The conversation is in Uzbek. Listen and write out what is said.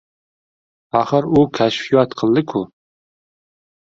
Axir, u kashfiyot qildi-ku!